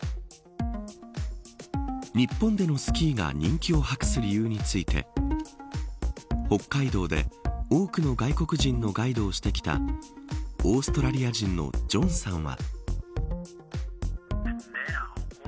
日本でのスキーが人気を博す理由について北海道で多くの外国人のガイドをしてきたオーストラリア人のジョンさんは。